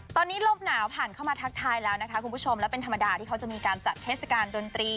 ตอนนี้ลมหนาวผ่านเข้ามาทักทายแล้วนะคะคุณผู้ชมและเป็นธรรมดาที่เขาจะมีการจัดเทศกาลดนตรี